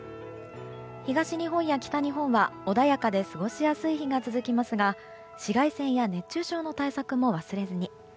東日本や北日本は、穏やかで過ごしやすい日が続きますが紫外線や熱中症の対策も忘れずに。